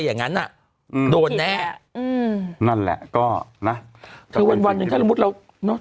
อย่างนั้นนะโดนแน่อืมนั่นแหละก็น่ะถ